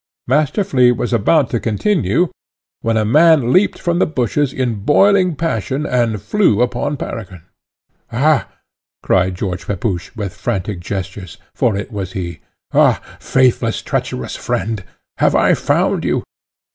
Master Flea was about to continue, when a man leapt from the bushes in boiling passion, and flew upon Peregrine. "Ha!" cried George Pepusch, with frantic gestures, for it was he, "Ha! faithless, treacherous friend! have I found you?